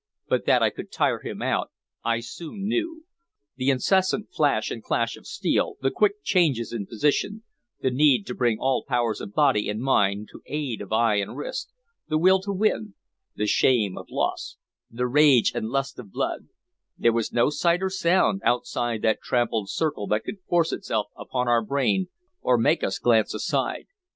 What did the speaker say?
But that I could tire him out I soon knew. The incessant flash and clash of steel, the quick changes in position, the need to bring all powers of body and mind to aid of eye and wrist, the will to win, the shame of loss, the rage and lust of blood, there was no sight or sound outside that trampled circle that could force itself upon our brain or make us glance aside.